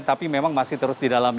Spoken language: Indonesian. tapi memang masih terus